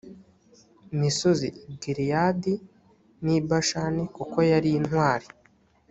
misozi i galeyadi n i bashani kuko yari intwari